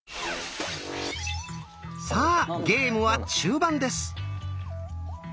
さあゲームは中盤です。